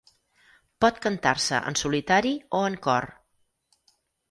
Pot cantar-se en solitari o en cor.